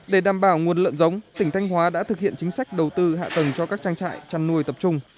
để đảm bảo nguồn lợn giống tỉnh thanh hóa đã thực hiện chính sách đầu tư hạ tầng cho các trang trại chăn nuôi tập trung